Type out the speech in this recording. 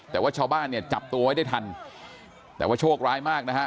แต่ว่าชาวบ้านเนี่ยจับตัวไว้ได้ทันแต่ว่าโชคร้ายมากนะฮะ